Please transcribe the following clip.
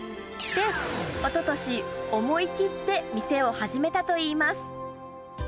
で、おととし、思い切って店を始めたといいます。